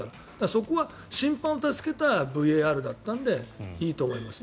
そこは審判を助けたＶＡＲだったのでいいと思います。